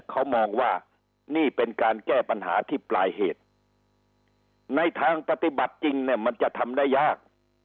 เขามองว่านี่เป็นการแก้ปัญหาที่ปลายเหตุในทางปฏิบัติจริงเนี่ยมันจะทำได้ยาก